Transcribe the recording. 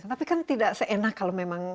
tapi kan tidak seenak kalau memang